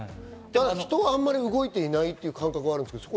人はあんまり動いてないっていう感覚があるんですけど。